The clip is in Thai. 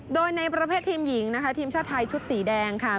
โดยในประเภททีมหญิงนะคะทีมชาติไทยชุดสีแดงค่ะ